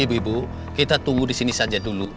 ibu ibu kita tunggu di sini saja dulu